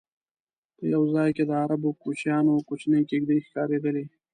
په یو ځای کې د عربو کوچیانو کوچنۍ کېږدی ښکارېدلې.